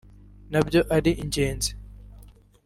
nabyo ari ingenzi